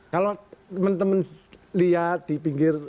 kalau teman teman lihat di pinggir